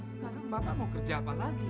sekarang bapak mau kerja apa lagi